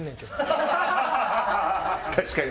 確かに。